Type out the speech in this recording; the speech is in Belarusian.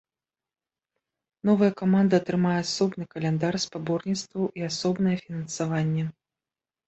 Новая каманда атрымае асобны каляндар спаборніцтваў і асобнае фінансаванне.